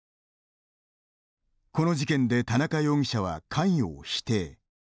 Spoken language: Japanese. この事件で田中容疑者は関与を否定。